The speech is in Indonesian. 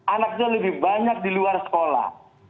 anak itu lebih banyak di luar sekolah